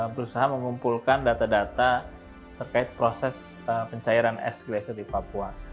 berusaha mengumpulkan data data terkait proses pencairan es gracet di papua